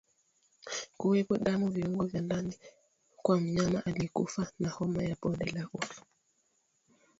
Kuwepo damu viungo vya ndani kwa mnyama aliyekufa na homa ya bonde la ufa